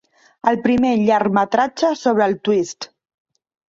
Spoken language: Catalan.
El primer llargmetratge sobre el twist!